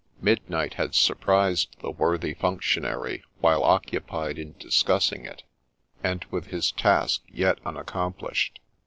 Midnight had surprised the worthy functionary while occupied in discussing it, and with his task yet unaccomplished.